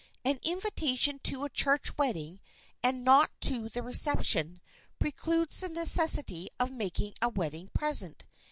An invitation to a church wedding, and not to the reception, precludes the necessity of making a wedding present.